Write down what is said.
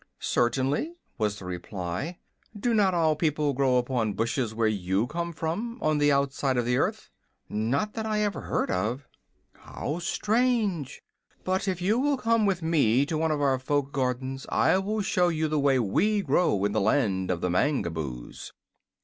"Certainly," was the reply. "Do not all people grow upon bushes where you came from, on the outside of the earth." "Not that I ever heard of." "How strange! But if you will come with me to one of our folk gardens I will show you the way we grow in the Land of the Mangaboos."